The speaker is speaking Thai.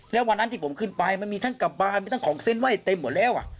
แล้ววันนั้นที่ผมขึ้นไปมันมีทั้งกลับบ้านมีทั้งของเซ็นไห้เต็มหมดแล้ว